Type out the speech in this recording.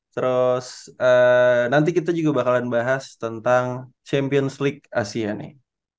terus nanti kita juga bakalan bahas tentang champions league asia nih